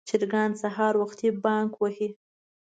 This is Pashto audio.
چرګان سهار وختي بانګ وهي.